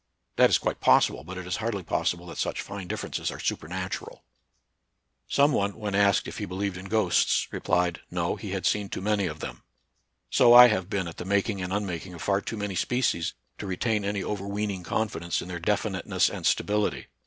That is quite possible, but it is hardly possible that such fine differences are supernatural. Some one when asked if he believed in ghosts, replied. No, he had seen too many of them. So I have been at the making and unmaking of far too many species to retain any overweening confidence in their definiteness and stability.